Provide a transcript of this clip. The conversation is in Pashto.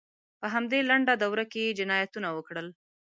په همدغه لنډه دوره کې یې جنایتونه وکړل.